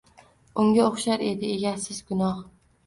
Unga o‘xshar edi egasiz gunoh.